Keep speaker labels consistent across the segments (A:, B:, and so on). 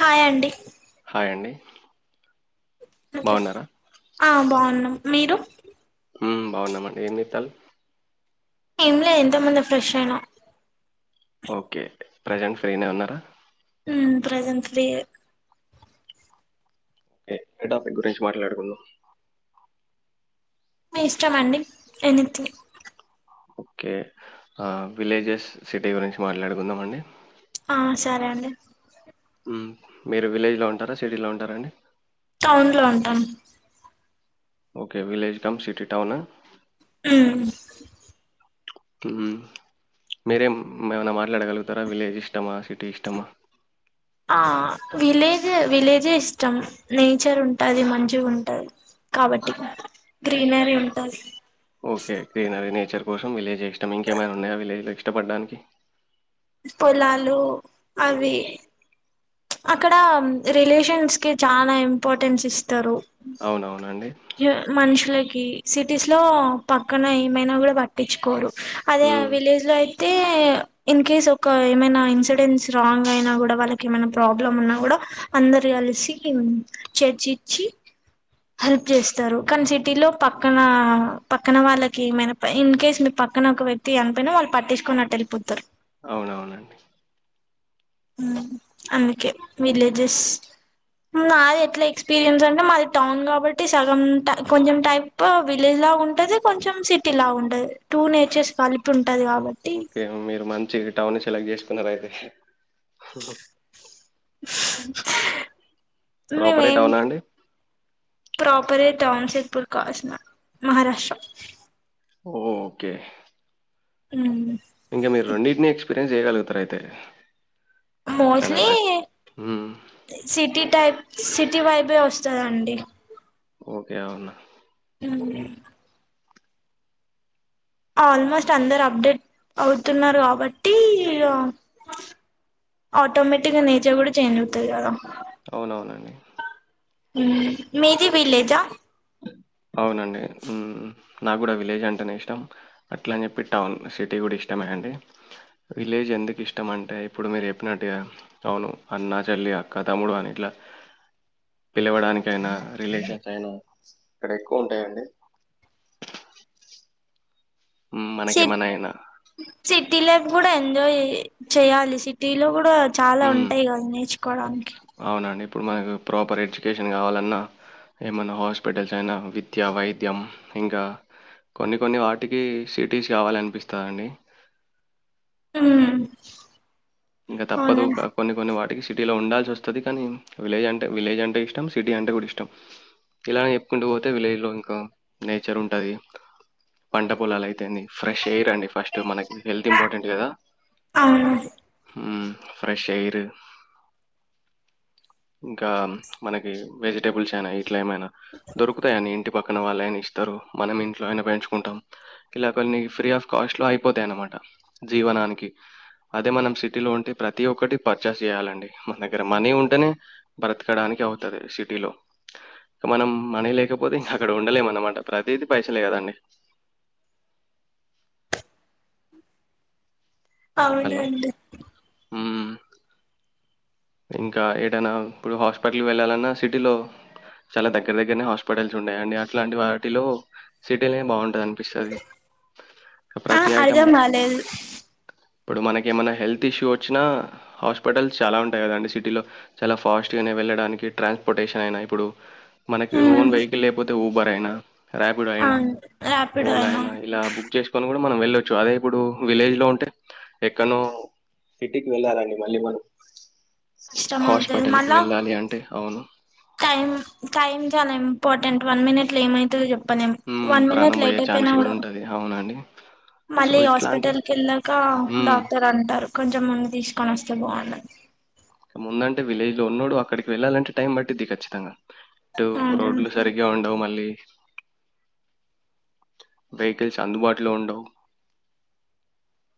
A: Hi అండి
B: డి
A: ఆ బాగున్నాయి మీరు
B: బాగున్నామండి ఏం చేస్తాను
A: ఇంలా ఎంత మంది ఫ్రెష్ అయన
B: ఓకే ప్రెజెంట్ ఫ్రీనే ఉన్నారా
A: ఉ ప్రజెంట్లీ
B: ే ఎదా ప గురించి మాట్లాడుకుంద
A: ఇష్టంమ అండి నేనింతే
B: ఓకే విలేజెస్ సిటీ గురించి మాట్లాడుకుందాం అండి
A: ఆ సరే అండి
B: హ్మ్మ్ మీరు విలేజ్ లో ఉంటారా సిటీలో ఉంటారా అండి
A: టౌన్ లో ఉంటాం
B: okay village cum city town
A: um
B: hmm మీరేం ఏమన్నా మాట్లాడగలుగుతారా విలేజ్ ఇష్టమా సిటీ ఇష్టమా
A: ఆ విలేజ్ విలేజ్ ఇష్టం నేచర్ ఉంటుది మంచిగా ఉంటది కాబట్టి గ్రీనరీ ఉంటది
B: ఓకే. గ్రీనరీ, నేచర్ కోసం విలేజ్ ఇష్టం ఇంకేమై ఉన్నాయా విలేజ్ లో ఇష్టపడడానికి
A: పొలాలు అవి అక్కడ రిలేషన్స్ కి చాలా ఇంపార్టెన్స్ ఇస్తారు
B: అవునవునండి.
A: మనుషుల సిటీస్ లో పక్కన ఏమైనా కూడా పట్టించుకోరు అదే
B: హ్మ్.
A: విలేజ్ లో అయితే ఇన్ కేస్ ఒక ఏమైనా ఇన్సిడెంట్స్ రాంగ్ అయినా కూడా వాళ్ళకి ఏమై ప్రాబ్లమ్ ఉన్నా కూడా అందరు కలిసి చర్చిచ్చి హెల్ప్ చేస్తారు కానీ సిటీలో పక్కన పక్కన వాళ్ళకి ఏమైనా ఇన్ కేస్ మీ పక్కన ఒక వ్యక్తి అనపోయినా వాళ్ళు పట్టించుకనిట్టటు వెళ్ళిపోతారు
B: అవునవునండి
A: అందుకే విలేజెస్ నాది ఎట్లా ఎక్స్పీరియన్స్ అంటే మాది టౌన్ కాబట్టి సగం కొంచెం టైప్ విలేజ్ లా ఉంటది కొంచెం సిటీ లాగా ఉంటది టూ నేచర్స్ కలిపి ఉంటు
B: ఓకే మీరు మంచి టౌన్ ఎలాగ చేసుకున్నారు అయితే
A: మ మే
B: ప్రాపరే టౌనా అండి?
A: ప్రాపర టాన్ సెద్పూర్ కాస్మ మహారాష్ట్ర
B: ఓకే
A: హ్మ్మ్
B: ఇంకా మీరు రెండిడ్నీ ఎక్స్ ఎయం చేయాగలుగుతారు అయితే
A: మోస్ట్లీ
B: హ్మ్.
A: సిటీ టైప్ సిటీ వైబే వస్తుందండి
B: ఓకే అవునా
A: హ్మ్మ్ ఆల్మోస్ట్ అందరు అప్డేట్ అవుతున్నారు కాబట్టి ఆటోమేటిక్గా నేచర్ కూడా చేంజ్ అవుతంది కదా
B: అవునవునండి.
A: మ్ మీది విలేజా
B: అవునండి మ్ నాకు కూడా విలేజ్ అంటేనే ఇష్టం అట్లా అని చెప్పి టౌన్ సిటీ కూడా ఇష్టమే అండి విలేజ్ ఎందుకిష్టం అంటే ఇప్పుడు మీరు చెప్పినట్టుగా అవును అన్న చెల్లి అక్క తమ్ముడు అని ఇట్ల పిలవడానికి అయినా రిలేషన్స్ అయినా ఇక్కడ ఎక్కువ ఉంటాయండి మనకి
A: సిట్
B: ఏమైనా అయినా
A: సిటీ లైఫ్ కూడా ఎంజాయ్ చేయాలి సిటీలో కూడా చాలా
B: హ్మ్.
A: ఉంటాయి కదా నేర్చుకోవడానికి
B: అవునండి. ఇప్పుడు మనకు ప్రాపర్ ఎడ్యుకేషన్ కావాలన్నా ఏమన్నా హాస్పిటల్స్ అయినా విద్య వైద్యం ఇంకా కొన్ని కొన్ని వాటికి సిటీస్ కావాలనిపిస్తదండి
A: ఉమ్
B: ఇంకా తప్పదు
A: అవునండి
B: కొన్ని కొన్ని వాటికి సిటీలో ఉండాల్సి వస్తది కానీ విలేజ్ అంటే విలేజ్ అంటే ఇష్టం సిటీ అంటే కూడా ఇష్టం ఇలా చెప్పుకుంటూ పోతే విలేజ్ లో ఇంకా నేచర్ ఉంటది పంట పొలాలు అయితేని ఫ్రెష్ ఎయిర్ అండి ఫస్ట్ మనకి హెల్త్ ఇంపార్టెంట్ కదా
A: అవును
B: మ్ ఫ్రెష్ ఎయిర్ ఇంకా మనకి వెజిటేబుల్స్ అయిన ఇట్లేమైనా దొరుకుతాయని ఇంటి పక్కన వాళ్ళైనా ఇస్తారు మనం ఇంట్లో అయిన పెంచుకుంటాం ఇలా కొన్ని ఫ్రీ ఆఫ్ కాస్ట్ లో అయిపోతాయన్నమాట జీవనానికి అదే మనం సిటీలో ఉంటే ప్రతి ఒక్కటి పర్చేస్ చేయాలండి మన దగ్గర మనీ ఉంటేనే బ్రతకడానికి అవుతది సిటీలో మనం మనీ లేకపోతే అక్కడ ఉండలేము అనమాట ప్రతిది పైసలే కదండి హలో
A: అవునండి
B: మ్మ్. ఇంకా ఏదైనా ఇప్పుడు హాస్పిటల్కి వెళ్ళాలన్నా సిటీలో చాలా దగ్గర దగ్గరనే హాస్పిటల్స్ ఉంటయండి అట్లాంటి వాటిలో సిటీనే బాగుంటది అనిపిస్తది
A: ఆ అర్థం కాలేదు
B: ఇప్పుడు మనకి ఏమైనా హెల్త్ ఇష్యూ వచ్చినా హాస్పిటల్స్ చాలా ఉం అంతే కదండి సిటీలో చాలా ఫాస్ట్ గానే వెళ్ళడానికి ట్రాన్స్పోర్టేషన్ అయినా ఇప్పుడు మనకి
A: ఉమ్
B: ఓన్ వెహికల్ లేకపోతే ఊబర్ అయినా ర్యాపిడో అయినా
A: అవును ర్యాపిడో
B: ఓలా అయినా ఇలా బుక్ చేసుకొని కూడా మనం వెళ్ళొచ్చు అదే ఇప్పుడు విలేజ్ లో ఉంటే ఎక్కనో సిటీకి వెళ్ళాలండి మళ్ళీ మనం
A: కష్టం అవుతది
B: హాస్పేటల్కిి
A: మళ్ళా
B: వెళ్ళాలి అంటే అవును
A: టైం టైం చాలా ఇంపార్టెంట్ వన్ మినిట్లో ఏమైతదో చెప్ పనేం.
B: హ్మ్
A: వన్ మినిట్
B: ప్రాణం పోయే
A: లేట్
B: ఛాన్స్
A: అయిపోయినా కూడా
B: ఉంటది అవునండి సో
A: మళ్ళీ
B: ఇట్లాంటి
A: హాస్పిటల్ కెళ్ళాక
B: హ్మ్
A: డాక్టర్ అంటారు. కొంచెం ముందు తీసుకొని వస్తే బాగుండు
B: ముందంటే విలేజ్ లో ఉన్నోడు అక్కడికి వెళ్ళాలంటే టైం పట్టుద్ది ఖచ్చితంగా ఇటు
A: అవునండి
B: రోడ్లు సరిగ్గా ఉండవు మ లి. వెహికల్స్ అందుబాటులో ఉండవు.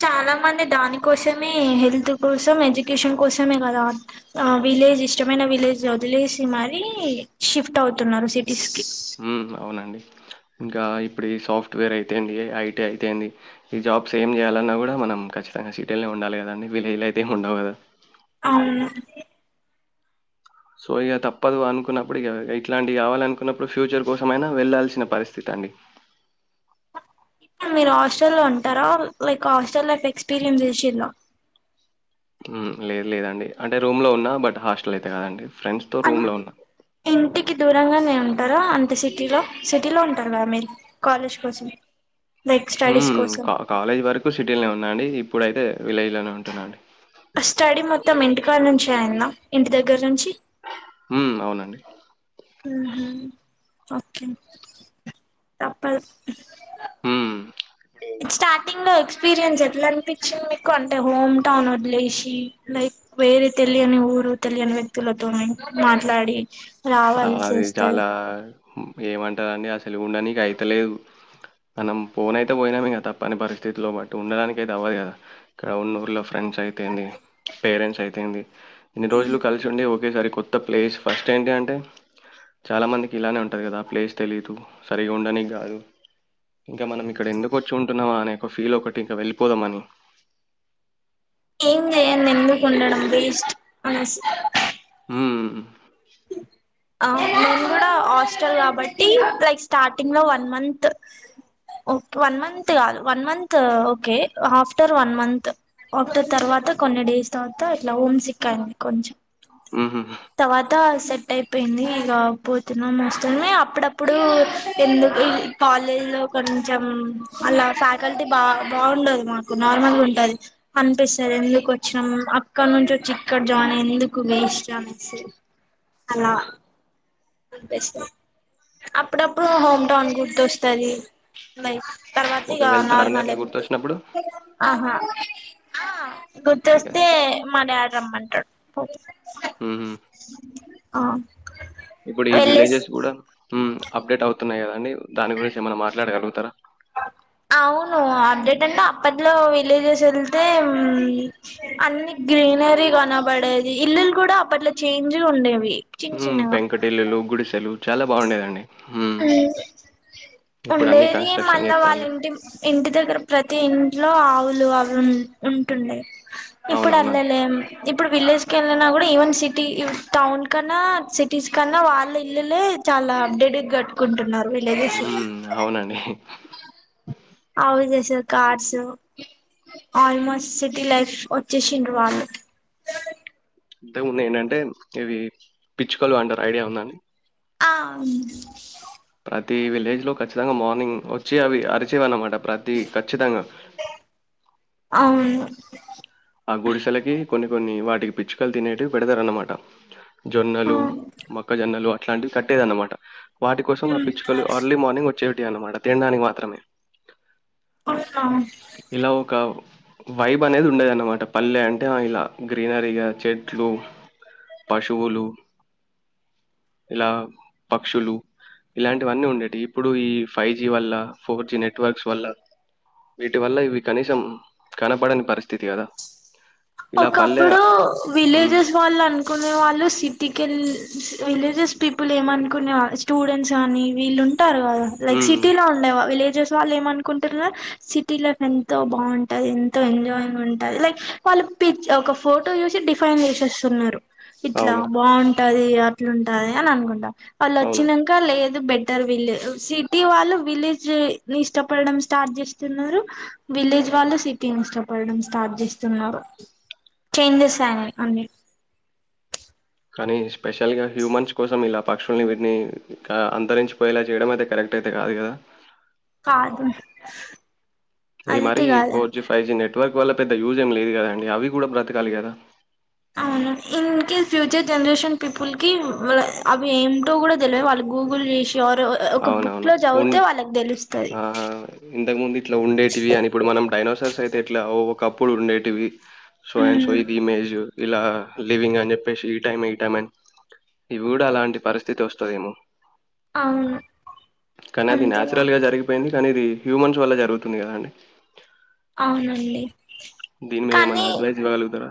A: చాలా మంది దాని కోసమే హెల్త్ కోసం ఎడ్యుకేషన్ కోసమే కదా ఆ విలేజ్ ఇష్టమైన విలేజ్ వదిలేసి మరీ షిఫ్ట్ అవుతున్నారు సిటీస్కి
B: మ్ అవునండి ఇంకా ఇప్పుడు ఈ సాఫ్ట్వేర్ అయితేంది ఐటీ అయితేంది ఈ జాబ్స్ ఏం చేయాలన్నా కూడా మనం ఖచ్చితంగా సిటీలోనే ఉండాలి కదండి విలేజ్లో అయితే ఏమి ఉండవు కదా
A: అవును
B: సో ఇక తప్పదు అనుకున్నప్పుడు ఇక ఇట్లాంటివి కావాలి అనుకున్నప్పుడు ఫ్యూచర్ కోసం అయినా వెళ్లాల్సిన పరిస్థితి అండి.
A: ఇప్పుడు మీరు హాస్టల్లో ఉంటారా లైక్ హాస్టల్ లైఫ్ ఎక్స్పీరియన్స్ చేసిల్లా
B: హ్మ్ లేదు లేదండి అంటే రూమ్ లో ఉన్నా బట్ హాస్టల్ అయితే కదండి ఫ్రెండ్స్ తో రూమ్ లో ఉన్నా
A: కి దూరంగానే ఉంటారా అంటే సిటీలో సిటీలో ఉంటారుగా మీరు కాలేజ్ కోసం లైక్ స్టడీస్
B: మ్మ్
A: కోసం
B: కా కాలేజీ వరకు సిటీలోనే ఉన్నా అండి ఇప్పుడైతే విలేజ్లోనే ఉంటున్నాండి.
A: కాన్నూంచి అయిందా ఇంటి దగ్గర్నుంచి
B: మ్ అవునండి.
A: మ్ హు ఓకే తప్పదు.
B: హ్మ్.
A: ఇగ స్టార్టింగ్లో ఎక్స్పీరియన్స్ ఎట్ల అనిపించింది మీకు అంటే హోమ్ టౌన్ వదిలేసి లైక్ వేరే తెలియని ఊరు తెలియని వ్యక్తులతోని మాట్లాడి రావాలని చూస్తది.
B: ఏమంటారు అండి అసలు ఉండానికి అయితే లేదు మనం పోన్ అయితే పోయినాము ఇగ తప్పని పరిస్థితిల్లో బట్ ఉండడానికి అయితే అవ్వదు కదా ఇక్కడ ఉన్న ఊళ్ళో ఫ్రెండ్స్ అయితే ఏంది పేరెంట్స్ అయితే ఏంది ఇన్ని రోజులు కలిసి ఉండి ఒకేసారి కొత్త ప్లేస్ ఫస్ట్ ఏంటి అంటే చాలా మందికి ఇలానే ఉంటది కదా ప్లేస్ తెలిదు సరిగా ఉండనికి కాదు ఇంకా మనం ఇక్కడ ఎందుకు వచ్చి ఉంటున్నామా అనే ఒక ఫీల్ ఒకటి ఇంకా వెళ్ళిపోదాం అని
A: ఏం చేయంది ఎందుకుండడం వేస్ట్ అనేసి
B: మ్మ్
A: ఆ నేన్ కూడా హాస్టల్ కాబట్టి లైక్ స్టార్టింగ్ లో వన్ మంత్ వన్ మంత్ కాదు one month okay after one month after తర్వాత కొన్ని డేస్ తర్వాత ఇట్లా హోమ్ సిక్కయింది కొంచెం
B: త
A: తవాత సెట్ అయిపోయింది ఇక పోతున్నాం వస్తునే అప్పుడప్పుడు ఎందుకు కాలేజ్ లో కొంచెం అలా ఫ్యాకల్టీ బా బాగుండదు మాకు నార్మల్ గుంటది అనిపిస్తది ఎందుకు వచ్చినాం అక్కడ నుంచి వచ్చి ఇక్కడ జాయిన్ ఎందుకు వేస్ట్ అని అలా అనిపిస్తది. అప్పుడప్పుడు హోమ్ టౌన్ గుర్తొస్తది లైఫ్. తర్వాత
B: ఓకే.
A: ఇక
B: వెళ్తారా అండి
A: నార్మల్
B: అట్లా
A: ఏ
B: గుర్తొచ్చినప్పుడు?
A: ఆహా ఆ
B: ఇంకా.
A: గుర్తొస్తే మా డాడ్ రమ్మంటాడు పోతా
B: హుహు.
A: ఆ
B: ఇప్పుడు ఈ విలేజెస్ కూడా ఉమ్ అప్డేట్ అవు వస్తున్నాయి కదండి దాని గురించి ఏమైన మాట్లాడగల తర
A: అవును అప్డేట్ అంటే అప్పట్లో విలేజెస్ ఎళ్తే అన్ని గ్రీనరీ కనపడేది ఇల్లులు కూడా అప్పట్లో చేంజ్ ఉండేవి చిన్న
B: ఉమ్
A: చిన్నగా
B: పెంకుటిల్లులు గుడిసెలు చాలా బాగుండేదండి
A: ఉమ్
B: ఇప్పుడు అన్నీ
A: ఉండేది
B: కన్‌స్ట్రక్షన్
A: మళ్ళా వాళ్ళ
B: జేత్తాల్లు.
A: ఇంటి ఇంటి దగ్గర ప్రతి ఇన్ లో ఆవులు అవి ఉం ఉంటుండె ఇప్పుడు అట్ల
B: అవునవునండి.
A: లేం ఇప్పుడు విలేజ్ కెళ్ళిన కూడా ఈవెన్ సిటీ టౌన్ కన్నా సిటీస్ కన్నా వాళ్ళ ఇల్లులే చాలా అప్డేటెడ్గా కుంటున్నారు
B: ఉ అవునండి
A: అవి చేసారు కార్స్ ఆల్మోస్ట్ సిటీ లైఫ్ వచ్చేసిండ్ర వాళ్ళు
B: అద్ద ఉన్నాయి ఏంటంటే ఇవి పిచ్చుకలు అంటారు ఐడియా ఉందని
A: ఆవును
B: ప్రతి విలేజ్ లో ఖచ్చితంగా మార్నింగ్ వచ్చి అవి అరిచేవా అన్నమాట ప్రతి ఖచ్చితంగా
A: అవును
B: ఆ గుడిసెలకి కొన్ని కొన్ని వాటికి పిచ్చుకలు తినేవి పెడతారన్నమాట
A: ఆ
B: జొన్నలు మొక్కజొన్నలు అట్లాంటివి కట్టేద అన్నమాట వాటి కోసం ఆ పిచ్చుకలు అర్లీ మార్నింగ్ చెవిటి అన్నమాట తినడానికి మాత్రమే
A: అహ
B: ఇలా ఒక వైబ్ అనేది ఉండది అన్నమాట పల్లె అంటే ఇలా గ్రీనరీగా చెట్లు పశువులు ఇలా పక్షులు ఇలాంటివన్నీ ఉండేవి ఇప్పుడు ఈ ఫైవ్ జీ వల్ల ఫోర్ జి నెట్వర్క్స్ వల్ల వీటి వల్ల ఇవి కనీసం కనపడని పరిస్థితి కదా ఇలా పల్లె
A: ఒకప్పుడు
B: హ్మ్.
A: విలేజెస్ వాళ్ళ అనుకు అనే వాళ్ళు సిటికల్ విలేజస్ పీపుల్ ఏమనుకునే స్టూడెంట్స్ కానీ వీళ్ళు ంటారు కదా లై
B: హ్మ్.
A: సిటీ లో ఉండ విలేజెస్ సో వాళ్ళు ఏమనుకుంటారు సిటీ లైఫ్ ఎంతో బాగుంటుంది ఎంతో ఎంజాయింగ్ ఉంటుంది లైక్ వాళ్ళు పి ఒక ఫోటో చూసి డిఫైన్ చేసేస్తున్నారు ఇట్లా
B: అవును.
A: బాగు ఉంటది అట్లుంటది అని అనుకుంటా
B: అవును.
A: అలాచ్చినంకాల బెటర్ విలేజ సిటీ వాళ్ళు విలేజ్ ఇష్టపడడం స్టార్ట్ చేస్తున్నారు విలేజ్ వాళ్ళు సిటీని ఇష్టపడడం స్టార్ట్ చేస్తున్నారు చేంజెస్ అని అన్ని
B: కానీ స్పెషల్గా హ్యూమన్స్ కోసం ఇలా పక్షుల్ని వీటిని అంతరించిపోయేలా చేయడం అయితే కరెక్ట్ అయితే కాదు కదా
A: కాదు
B: ఈ
A: అదితే
B: మరి ఫోర్
A: కాదండి
B: G five G net network వల్ల పెద్ద యూజం లేదు కదా అండి అవి కూడా బ్రతకాలి కదా
A: అవును in case future generation people కి అవి ఏమింటో కూడా తెలియ వాళ్ళు గూగుల్ చేసి క్యూర్ ఒక బుక్
B: అవునవును.
A: లో చదివితే వాళ్ళకి తెలుస్తుంది
B: ఇంతకు ముందు ఇట్లా ఉండేటివి అని ఇప్పుడు మనం డైనోసార్స్ అయితే ఇట్లాప్పుడు ఉండేటివి సో అండ్ సో
A: ఉమ్
B: ఇది ఇమేజ్ ఇలా లివింగ్ అని చెప్పేసి ఈ టైం ఈ టైం అని ఇవి కూడా అలాంటి పరిస్థితి వస్తుందేమో
A: అవును
B: కానీ అది
A: అంతేగా
B: నాచురల్ గా జరిగిపోయింది అనేది హ్యూమన్స్ వల్ల జరుగుతుంది కదా అండి
A: అవునండి
B: మీద ఏమన్నా
A: కానీ
B: అడ్వైస్ ఇవ్వగలుగుతారా?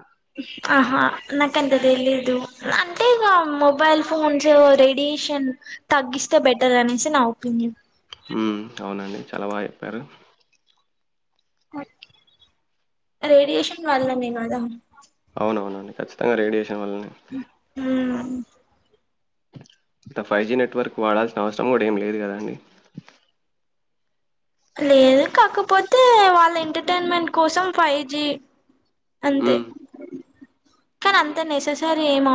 A: ఆహా నా కానీ తెలీదు అంటే ఇక మొబైల్ ఫోన్స్ రేడియేషన్ తగ్గిస్తే బెటర్ అనేసి నా ఒపీనియన్
B: ఉ అవునండి చాలా బాగా చెప్పారు
A: రే రేషన్ వాళ్ళనే కాదా
B: కచ్చితంగా రేడియేశ ఎవల్నే
A: ఉమ్
B: ఇ ఫైవ్ జీ నెట్వర్క్ వాడాల్సిన అవసరం కూడా ఏం లేదు కదాండి
A: లేదు కాకపోతే వాళ్ళ ఎంటర్టైన్మెంట్ కోసం ఫైవ్ జి అంతే
B: ఉమ్
A: కానీ అంత నెససరీ ఏమ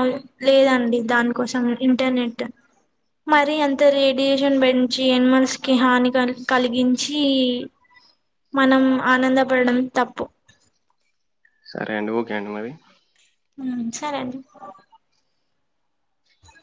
A: లేదండి దానికోసం ఇంటర్నెట్ మరి అంత రేడియేషన్ పెంచి ఎనిమల్స్ కి హాని క కలిగిం చి మనం ఆనందపడడం తప్పు
B: సరే అండి ఓకే అండి మరి
A: ఉ సరే అండి